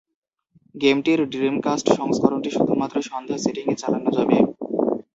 গেমটির ড্রিমকাস্ট সংস্করণটি শুধুমাত্র সন্ধ্যা সেটিং-এ চালানো যাবে।